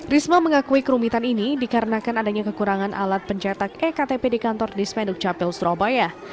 risma mengakui kerumitan ini dikarenakan adanya kekurangan alat pencetak ektp di kantor dispenduk capil surabaya